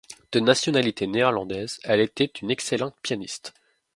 De nationalité néerlandaise, elle était une excellente pianiste.